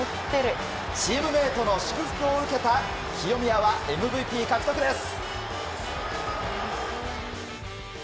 チームメートの祝福を受けた清宮はＭＶＰ獲得です。